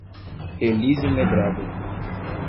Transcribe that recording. Elísio Medrado